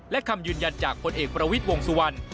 และคำยืนยันจากผลเอกประวิทย์วงสุวรรณ